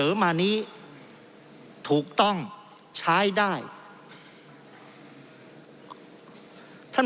เพราะเรามี๕ชั่วโมงครับท่านนึง